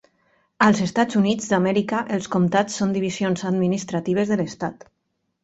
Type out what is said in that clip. Als Estats Units d'Amèrica els comtats són divisions administratives de l'estat.